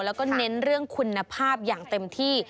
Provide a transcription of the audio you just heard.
แล้วก็เน้นเรื่องคุณภาพอย่างเต็มที่